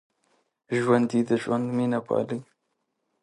ژوندي د ژوند مینه پالي